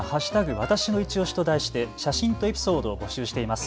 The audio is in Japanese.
わたしのいちオシと題して写真とエピソードを募集しています。